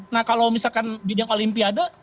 nah kalau misalkan bidang olimpiade